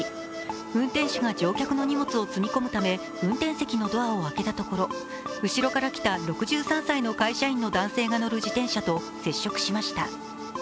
運転手が乗客の荷物を積み込むため運転席のドアを開けたところ後ろから来た６３歳の会社員の男性が乗る自転車と衝突。